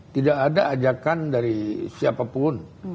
tidak ada ajakan dari siapapun